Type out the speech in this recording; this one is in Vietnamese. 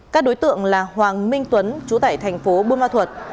các đối tượng là hoàng minh tuấn chủ tải thành phố bơ ma thuật